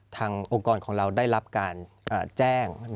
องค์กรของเราได้รับการแจ้ง